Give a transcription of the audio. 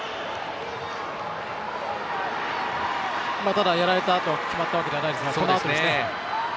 ただ、やられたと決まったわけではないのでこのあとですね。